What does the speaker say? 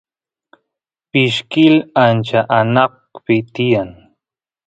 pashkil ancha anaqpi tiyan